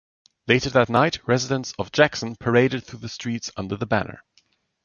Later that night residents of Jackson paraded through the streets under the banner.